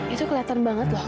itu keliatan banget loh